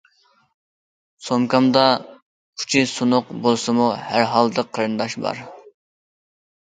سومكامدا ئۇچى سۇنۇق بولسىمۇ، ھەر ھالدا قېرىنداش بار.